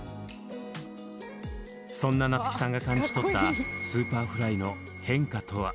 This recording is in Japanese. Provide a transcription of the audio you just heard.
そんな夏木さんが感じ取ったＳｕｐｅｒｆｌｙの変化とは。